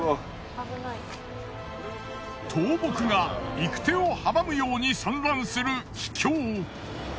倒木が行く手を阻むように散乱する秘境。